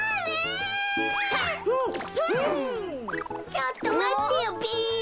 ちょっとまってよべ。